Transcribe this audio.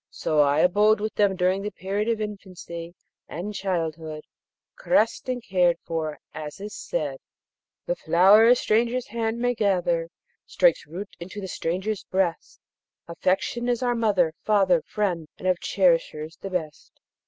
So I abode with them during the period of infancy and childhood, caressed and cared for, as is said: The flower a stranger's hand may gather, Strikes root into the stranger's breast; Affection is our mother, father, Friend, and of cherishers the best.